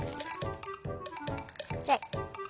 ちっちゃい。